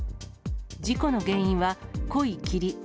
事故の原因は、濃い霧。